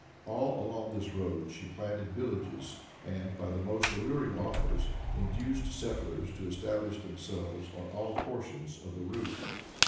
All along this road she planted villages, and, by the most alluring offers, induced settlers to establish themselves on all portions of the route.